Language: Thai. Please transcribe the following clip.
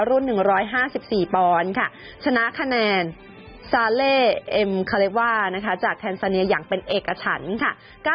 ๑๕๔ปอนด์ค่ะชนะคะแนนซาเล่เอ็มคาเลว่านะคะจากแทนซาเนียอย่างเป็นเอกฉันค่ะ